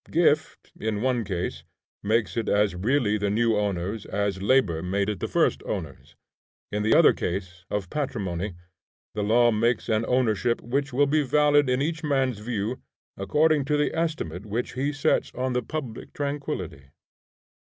Gift, in one case, makes it as really the new owner's, as labor made it the first owner's: in the other case, of patrimony, the law makes an ownership which will be valid in each man's view according to the estimate which he sets on the public tranquillity.